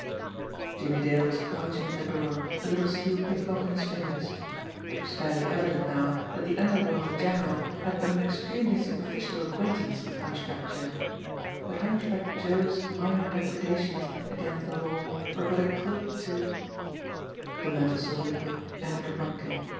Jimmie Dale was crouching at the door, a little steel picklock in his fingers. It was fairly evident now that the underworld in general had but an extremely superficial acquaintance with Hunchback Joe; that Hunchback Joe's minor depredations against the law were but a cloak to the mental soliloquy ended abruptly.